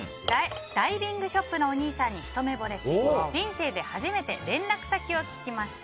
ダイビングショップのお兄さんにひと目ぼれし人生で初めて連絡先を聞きました。